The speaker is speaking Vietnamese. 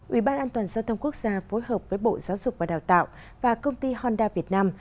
ủy ban an toàn giao thông quốc gia phối hợp với bộ giáo dục và đào tạo và công ty honda việt nam